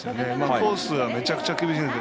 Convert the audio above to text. コースはめちゃくちゃ厳しいので。